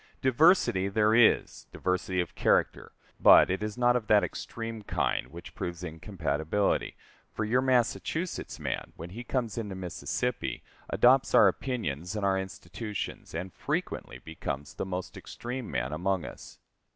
Diversity there is diversity of character but it is not of that extreme kind which proves incompatibility; for your Massachusetts man, when he comes into Mississippi, adopts our opinions and our institutions, and frequently becomes the most extreme man among us.